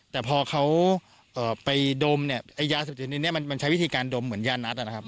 แต่พอเขาไปดมเนี่ยไอ้ยาเสพติดในนี้มันใช้วิธีการดมเหมือนยานัดนะครับ